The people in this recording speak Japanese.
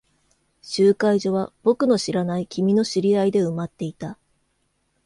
集会所は僕の知らない君の知り合いで埋まっていた。